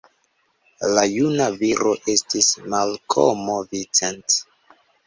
La juna viro estis Malkomo Vincent.